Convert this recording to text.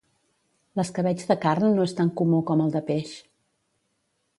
L'escabetx de carn no és tan comú com el de peix